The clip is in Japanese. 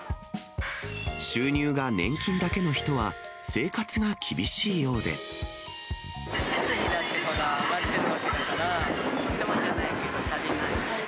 収入が年金だけの人は、光熱費だってほら、上がってるわけだから、とてもじゃないけど足りない。